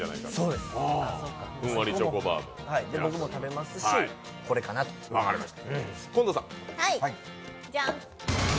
僕も食べますし、これかなと思いました。